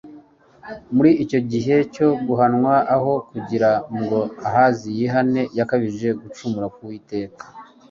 muri icyo gihe cyo guhanwa, aho kugira ngo ahazi yihane, yakabije gucumura ku uwiteka